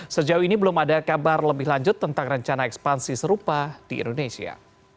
sejauh ini belum ada kabar lebih lanjut tentang rencana ekspansi serupa di indonesia